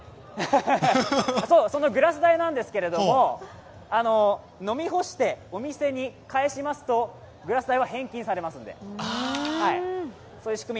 グラス代ですけど、飲み干してお店に返しますとグラス代は返金されますので。